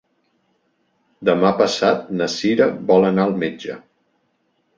Demà passat na Sira vol anar al metge.